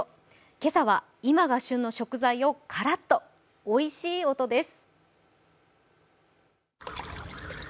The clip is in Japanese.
今朝は今が旬の食材をカラッとおいしい音です。